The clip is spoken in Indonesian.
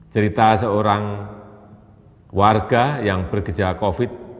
cerita seorang warga yang bergejala covid sembilan belas